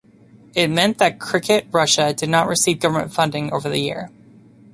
It meant that Cricket Russia did not receive government funding over the year.